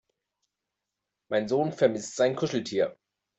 Mein Sohn vermisst sein Kuscheltier.